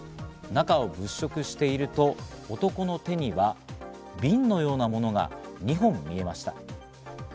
中を物色していると、男の手には瓶のようなものが２本見えました。